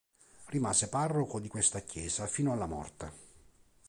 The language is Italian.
Rimase parroco di questa chiesa fino alla morte.